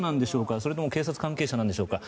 それとも警察関係者なんでしょうか。